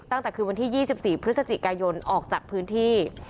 ตั้งแต่คืนวันที่๒๔พฤศจิกายนออกจากพื้นที่